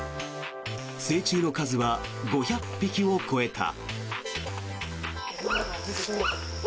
成虫の数は５００匹を超えた。